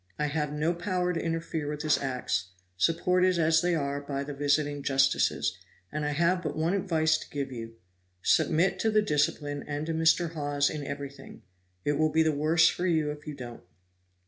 I have no power to interfere with his acts, supported as they are by the visiting justices; and I have but one advice to give you: Submit to the discipline and to Mr. Hawes in everything; it will be the worse for you if you don't."